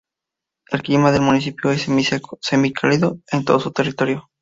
El clima del municipio es semiseco semicálido en todo su territorio.